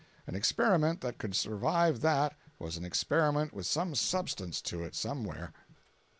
An experiment that could survive that was an experiment with some substance to it somewhere.